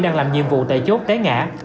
đang làm nhiệm vụ tại chốt té ngã